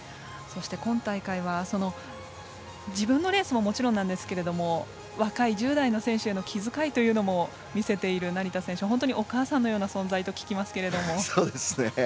今大会は自分のレースももちろんですが若い１０代の選手への気遣いも見せている成田選手、本当にお母さんのような存在とそうですね。